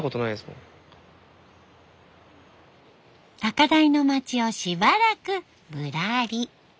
高台の町をしばらくぶらり。